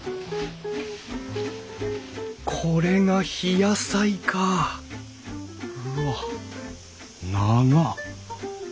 これが「ひやさい」かうわっ長っ。